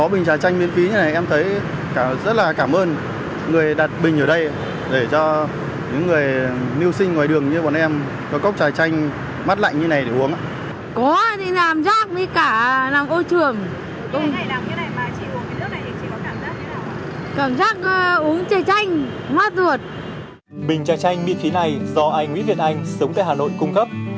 bình trà chanh miễn phí này do anh nguyễn việt anh sống tại hà nội cung cấp